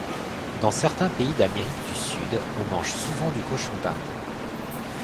Dans certains pays d'Amérique du Sud on mange souvent du cochon d'inde.